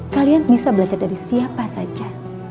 kalian bisa belajar dari siapa saja